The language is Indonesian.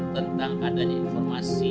tentang adanya informasi